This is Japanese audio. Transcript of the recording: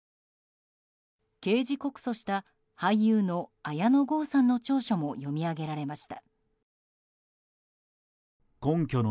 刑事告訴した俳優の綾野剛さんの調書も読み上げられました。